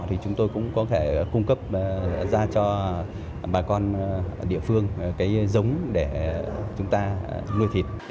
thì chúng tôi cũng có thể cung cấp ra cho bà con địa phương cái giống để chúng ta nuôi thịt